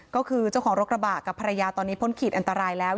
ก็คือเจ้าของรถกระบะกับภรรยาตอนนี้พ้นขีดอันตรายแล้ว